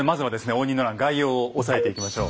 応仁の乱概要を押さえていきましょう。